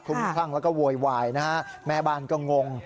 คลั่งแล้วก็โวยวายนะฮะแม่บ้านก็งง